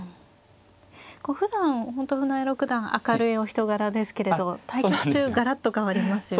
こうふだん本当船江六段明るいお人柄ですけれど対局中ガラッと変わりますよね。